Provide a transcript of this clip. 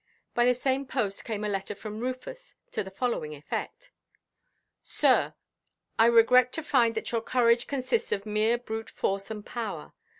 By the same post came a letter from Rufus, to the following effect:— "SIR,—I regret to find that your courage consists in mere brute force and power.